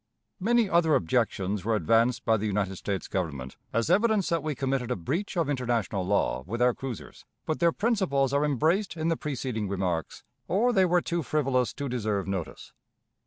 Many other objections were advanced by the United States Government as evidence that we committed a breach of international law with our cruisers, but their principles are embraced in the preceding remarks, or they were too frivolous to deserve notice.